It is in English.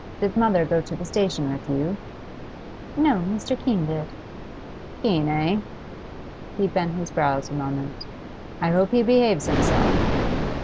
Did mother go to the station with you?' 'No, Mr. Keene did.' 'Keene, eh?' He bent his brows a moment. 'I hope he behaves himself?